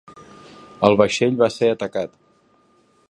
El vaixell va ser atacat.